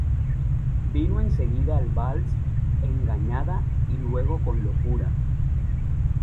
Vino en seguida el vals ""Engañada"" y luego ""Con Locura"".